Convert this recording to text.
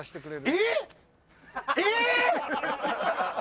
えっ？